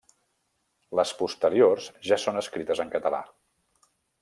Les posteriors ja són escrites en català.